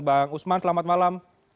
bang usman selamat malam